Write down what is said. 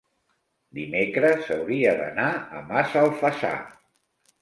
Dimecres hauria d'anar a Massalfassar.